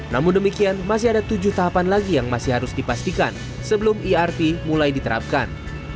namun demikian masih ada tujuh tahapan lagi yang masih harus dipastikan sebelum irp mulai diterapkan